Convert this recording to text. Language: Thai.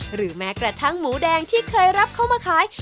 หรือแม้กระทั่งหมูแดงที่เคยรับเข้ามาขาย